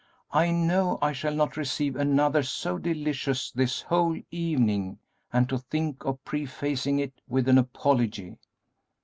I know I shall not receive another so delicious this whole evening, and to think of prefacing it with an apology!"